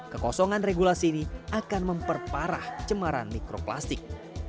kekosongan regulasi ini akan memperparah cemaran mikroplastik